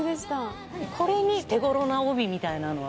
これに手ごろな帯みたいなの。